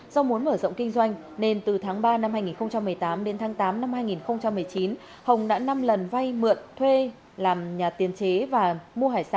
do muốn mở rộng kinh doanh nên từ tháng ba năm hai nghìn một mươi tám đến tháng tám năm hai nghìn một mươi chín hồng đã năm lần vay mượn thuê làm nhà tiền chế và mua hải sản